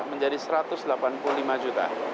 menjadi satu ratus delapan puluh lima juta